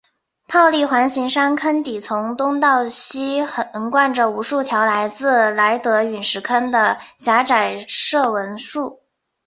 泡利环形山坑底从东到西横贯着无数条来自莱德陨石坑的狭窄射纹束。